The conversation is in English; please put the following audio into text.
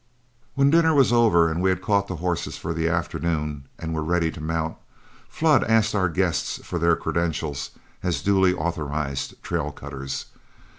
When dinner was over and we had caught horses for the afternoon and were ready to mount, Flood asked our guests for their credentials as duly authorized trail cutters.